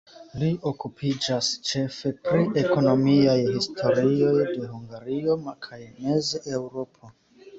Li okupiĝas ĉefe pri ekonomiaj historioj de Hungario kaj Mez-Eŭropo.